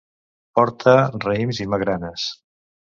Porta raïms i magranes.